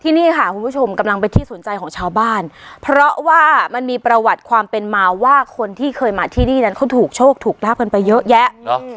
นี่ค่ะคุณผู้ชมกำลังเป็นที่สนใจของชาวบ้านเพราะว่ามันมีประวัติความเป็นมาว่าคนที่เคยมาที่นี่นั้นเขาถูกโชคถูกราบกันไปเยอะแยะเนอะ